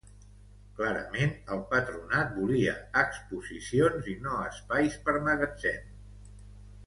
Clarament, el Patronat volia exposicions i no espais per magatzem.